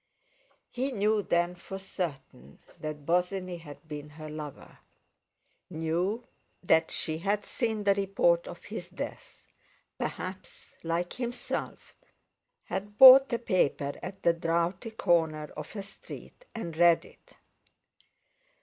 He knew then for certain that Bosinney had been her lover; knew that she had seen the report of his death—perhaps, like himself, had bought a paper at the draughty corner of a street, and read it.